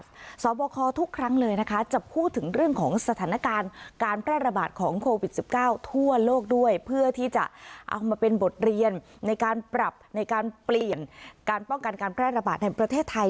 สอบคอทุกครั้งเลยนะคะจะพูดถึงเรื่องของสถานการณ์การแพร่ระบาดของโควิด๑๙ทั่วโลกด้วยเพื่อที่จะเอามาเป็นบทเรียนในการปรับในการเปลี่ยนการป้องกันการแพร่ระบาดในประเทศไทย